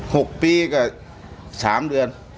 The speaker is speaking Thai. หกปีก็สามเดือน